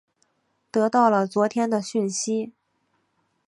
得到了昨天的讯息